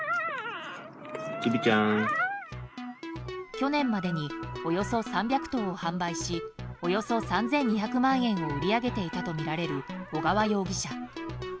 去年までにおよそ３００頭を販売しおよそ３２００万円を売り上げていたとみられる尾川容疑者。